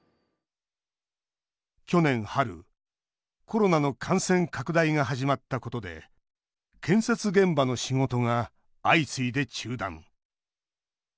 去年春、コロナの感染拡大が始まったことで建設現場の仕事が相次いで中断。